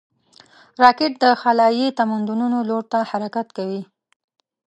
راکټ د خلایي تمدنونو لور ته حرکت کوي